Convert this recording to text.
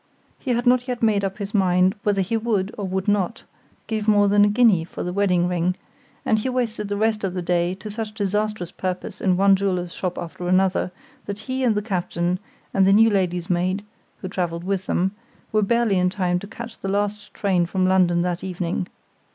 He had not yet made up his mind whether he would, or would not, give more than a guinea for the wedding ring; and he wasted the rest of the day to such disastrous purpose in one jeweler's shop after another, that he and the captain, and the new lady's maid (who traveled with them), were barely in time to catch the last train from London that evening.